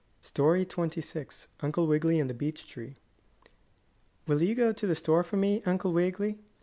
STORY XXVI UNCLE WIGGILY AND THE BEECH TREE "Will you go to the store for me, Uncle Wiggily?"